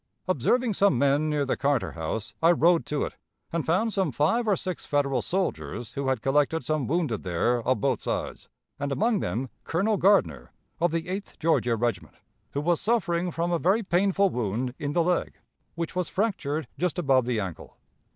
Observing some men near the Carter house, I rode to it, and found some five or six Federal soldiers, who had collected some wounded there of both sides, and among them Colonel Gardner, of the Eighth Georgia Regiment, who was suffering from a very painful wound in the leg, which was fractured just above the ankle....